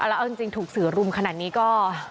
แล้วเอาจริงถูกสื่อรุมขนาดนี้ก็